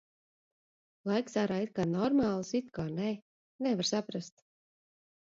Laiks ārā it kā normāls, it kā nē – nevar saprast.